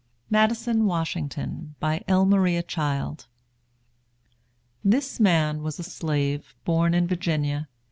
MADISON WASHINGTON. BY L. MARIA CHILD. This man was a slave, born in Virginia.